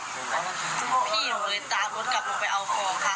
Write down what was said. พี่หนูเลยตามรถกลับลงไปเอาของค่ะ